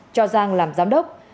cho yang làm giám đốc